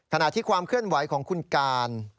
ขณะที่ความเคลื่อนไหวของคุณการ